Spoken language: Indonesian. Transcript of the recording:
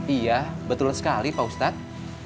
iya betul sekali pak ustadz